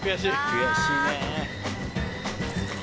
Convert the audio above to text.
悔しいね。